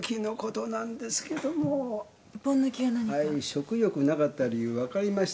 食欲なかった理由分かりましたよ。